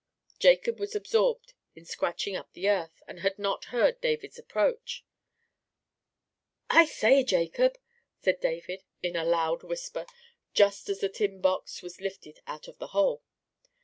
Jacob was absorbed in scratching up the earth, and had not heard David's approach. "I say, Jacob," said David in a loud whisper, just as the tin box was lifted out of the hole.